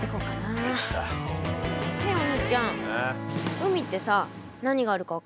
海ってさ何があるか分からないじゃない。